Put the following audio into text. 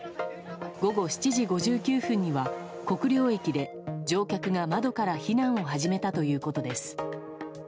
午後７時５９分には国領駅で乗客が窓から避難を始めたということです。